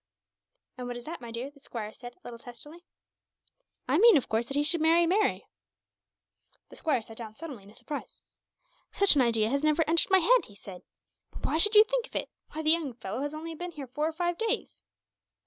"And what is that, my dear?" the squire said, a little testily. "I mean, of course, that he should marry Mary." The squire sat down suddenly, in his surprise. "Such an idea never entered my head," he said. "But why should you think of it? Why, the young fellow has only been here four or five days!"